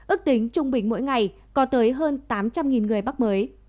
ước tính trung bình mỗi ngày có tới hơn tám trăm linh người mắc mới